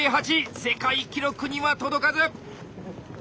世界記録には届かず！